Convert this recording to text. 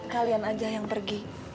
kalian aja yang pergi